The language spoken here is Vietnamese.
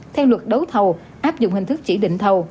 theo luật đấu thầu áp dụng hình thức chỉ định thầu